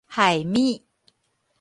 害物